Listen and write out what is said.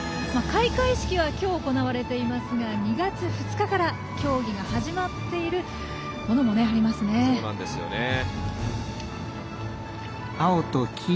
開会式は今日行われていますが２月２日から競技が始まっているものもありますね。